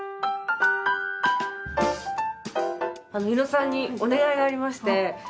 伊野さんにお願いがありまして。